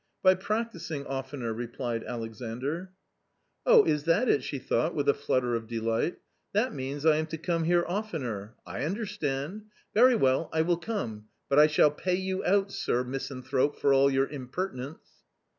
" By practising oftener," replied Alexandr. o 210 A COMMON STORY "Oh, is that it !" she thought, with a flutter of delight; " that means I am to come here oftener. I understand ! Very well, I will come, but I shall pay you out, sir misan thrope, for all your impertinence."